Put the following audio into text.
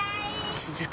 続く